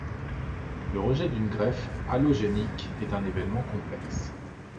Le rejet d’une greffe allogénique est un événement complexe.